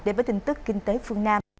đến với tin tức kinh tế phương nam